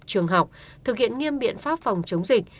trường học thực hiện nghiêm biện pháp phòng chống dịch